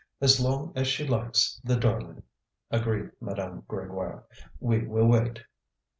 "As long as she likes, the darling!" agreed Madame Grégoire. "We will wait."